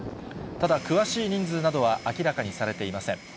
ただ、詳しい人数などは明らかにされていません。